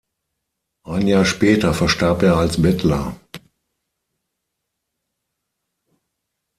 Ein Jahr später verstarb er als Bettler.